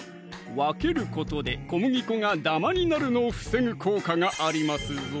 分けることで小麦粉がダマになるのを防ぐ効果がありますぞ！